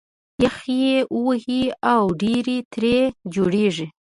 یخ یې وهي او ډېرۍ ترې جوړېږي